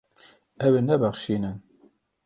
Ew ê nebexşînin.